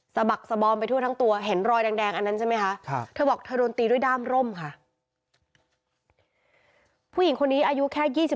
สะบักสะบอมไปทั่วทั้งตัวเห็นรอยแดงอันนั้นใช่ไหมคะ